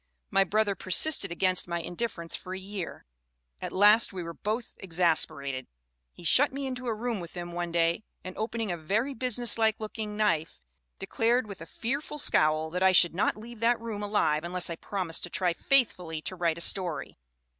My brother persisted against my indifference for a year. At last we were both ex asperated. He shut me into a room with him one day, and opening a very business like looking knife, declared with a fearful scowl that I should not leave that room alive unless I promised to try faithfully to write a story.